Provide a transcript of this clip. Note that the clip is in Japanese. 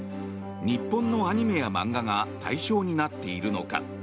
日本のアニメや漫画が対象になっているのか。